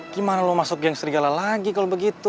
gimana lo masuk geng serigala lagi kalau begitu